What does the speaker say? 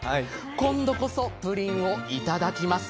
今度こそプリンを頂きます。